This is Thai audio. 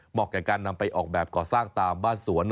แก่การนำไปออกแบบก่อสร้างตามบ้านสวน